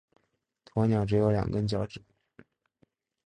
鸵鸟只有两根脚趾。